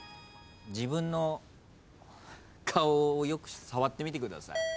自分の顔をよく触ってみてください。